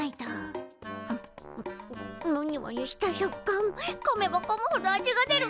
あむモニュモニュした食感かめばかむほど味が出る。